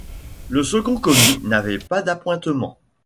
Le second commis n’avait pas d’appointements.